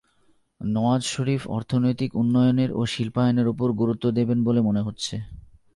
নওয়াজ শরিফ অর্থনৈতিক উন্নয়নের ও শিল্পায়নের ওপর গুরুত্ব দেবেন বলে মনে হচ্ছে।